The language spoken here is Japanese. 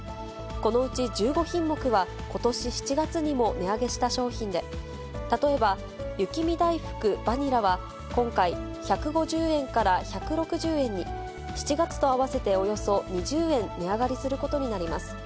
このうち、１５品目はことし７月にも値上げした商品で、例えば雪見だいふくバニラは今回、１５０円から１６０円に、７月と合わせておよそ２０円値上がりすることになります。